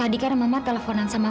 suatu tempat yang yang sama